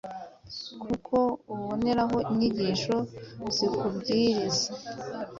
kuko uboneraho inyigisho zikubwiriza